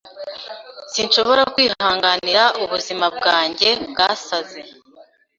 Sinshobora kwihanganira ubuzima bwanjye bwasaze.